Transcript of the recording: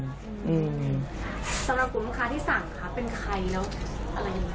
สำหรับผู้มูลค้าที่สั่งค่ะเป็นใครแล้วอะไรอยู่